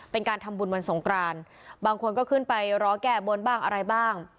เป็นการทำบุญวันสงกรานบางคนก็ขึ้นไปร้อแก้บนบ้างอะไรบ้าง